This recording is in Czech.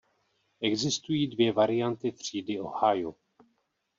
Existují dvě varianty třídy "Ohio".